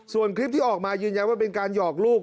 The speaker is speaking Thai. ส่วนคลิปที่ออกมายืนยันว่าเป็นการหยอกลูก